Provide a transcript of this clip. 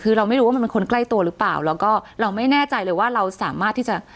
คือเราไม่รู้ว่ามันเป็นคนใกล้ตัวหรือเปล่าแล้วก็เราไม่แน่ใจเลยว่าเราสามารถที่จะ